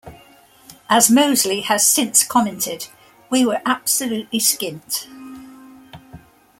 As Mosley has since commented: We were absolutely skint.